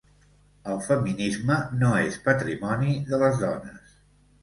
El feminisme no és patrimoni de les dones.